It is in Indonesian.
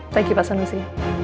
thank you pak sanusi